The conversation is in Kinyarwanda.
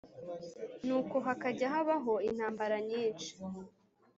Nuko hakajya habaho intambara nyinshi